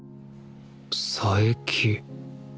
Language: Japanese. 佐伯